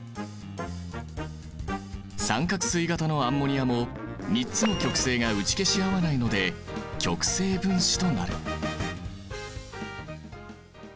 三角錐形のアンモニアも３つの極性が打ち消し合わないので極性分子となる。